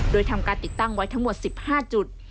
โดยทำการติดตั้งไว้ทั้งหมด๑๕จุด